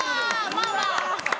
まあまあ。